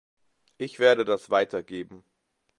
Ich werde das weitergeben.